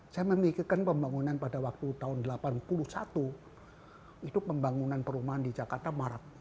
saya memikirkan pembangunan pada waktu tahun seribu sembilan ratus delapan puluh satu itu pembangunan perumahan di jakarta marak